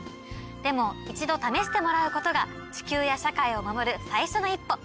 でも一度試してもらうことが地球や社会を守る最初の一歩。